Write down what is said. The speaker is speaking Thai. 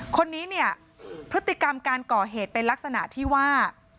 คนนี้เนี่ยพฤติกรรมการก่อเหตุเป็นลักษณะที่ว่า